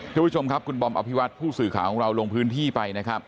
ทุกผู้ชมครับคุณบอมอภิวัตผู้สื่อข่าวของเราลงพื้นที่ไปนะครับ